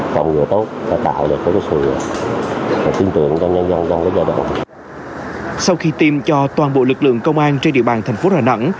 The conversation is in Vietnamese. trong đợt này bệnh viện sẽ tiêm cho toàn bộ lực lượng công an trên địa bàn thành phố đà nẵng